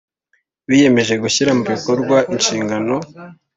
biyemeje gushyira mu bikorwa inshingano